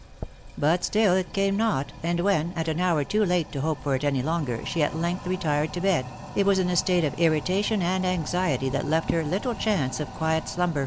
But still it came not, and when, at an hour too late to hope for it any longer, she at length retired to bed, it was in a state of irrita tion and anxiety that left her little chance of quiet slumber.